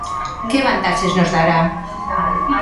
Que vantaxes nos dará?